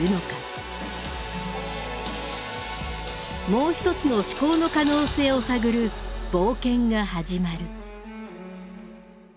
もう一つの思考の可能性を探る冒険が始まる。